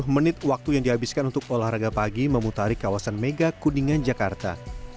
sepuluh menit waktu yang dihabiskan untuk olahraga pagi memutari kawasan mega kuningan jakarta